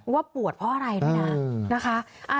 ว่าปวดเพราะอะไรดูนะ